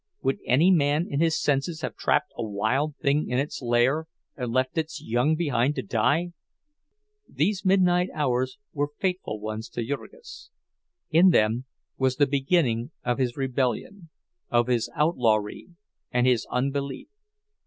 Would any man in his senses have trapped a wild thing in its lair, and left its young behind to die? These midnight hours were fateful ones to Jurgis; in them was the beginning of his rebellion, of his outlawry and his unbelief.